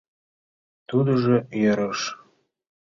Тудыжо ӧреш.